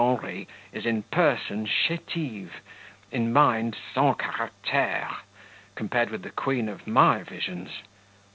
Henri is in person "chetive", in mind "sans caractere", compared with the queen of my visions.